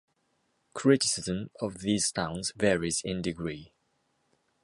Criticism of these towns varies in degree.